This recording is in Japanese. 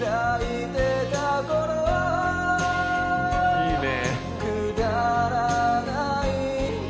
いいね。